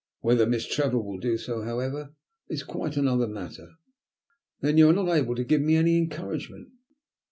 Whether Miss Trevor will do so, however, is quite another matter." "Then you are not able to give me any encouragement?"